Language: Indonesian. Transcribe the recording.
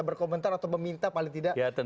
berkomentar atau meminta paling tidak rapat pleno